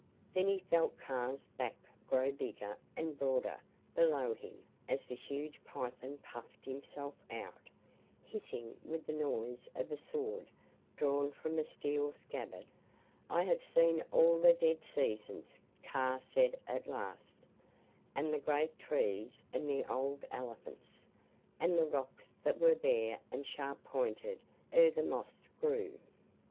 Then he felt Kaa's back grow bigger and broader below him as the huge python puffed himself out, hissing with the noise of a sword drawn from a steel scabbard. "I have seen all the dead seasons," Kaa said at last, "and the great trees and the old elephants, and the rocks that were bare and sharp pointed ere the moss grew.